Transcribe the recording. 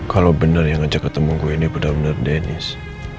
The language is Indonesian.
kalau benar yang ajak ketemu gue ini benar benar deniz